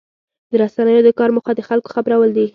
د رسنیو د کار موخه د خلکو خبرول دي.